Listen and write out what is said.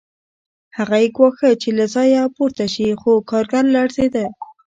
هغه یې ګواښه چې له ځایه پورته شي خو کارګر لړزېده